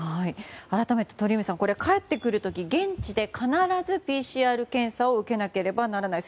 改めて鳥海さん帰ってくる時現地で必ずＰＣＲ検査を受けなければならない。